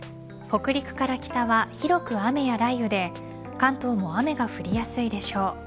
北陸から北は広く雨や雷雨で関東も雨が降りやすいでしょう。